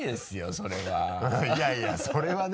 それはいやいやそれはね。